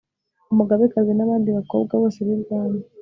umugabekazi n'abandi bakobwa bose b'ibwami